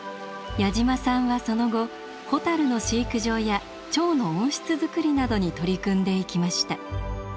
矢島さんはその後ホタルの飼育場やチョウの温室づくりなどに取り組んでいきました。